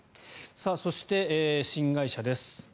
そして新会社です。